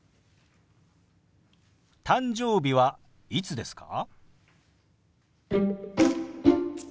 「誕生日はいつですか？」。